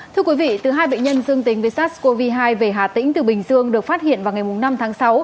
thưa quý vị từ hai bệnh nhân dương tính với sars cov hai về hà tĩnh từ bình dương được phát hiện vào ngày năm tháng sáu